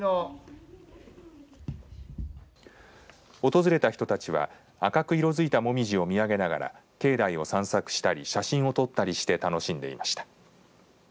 訪れた人たちは赤く色づいた紅葉を見上げながら境内を散策したり写真を撮ったりして楽しんでいました。